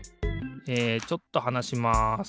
えちょっとはなします。